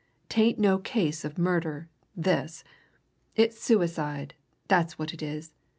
'tain't no case of murder, this! It's suicide, that's what it is.